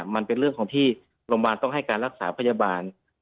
มันเป็นเรื่องของที่โรงพยาบาลต้องให้การรักษาพยาบาล